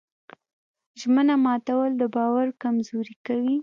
ژمنه ماتول د باور کمزوري کوي.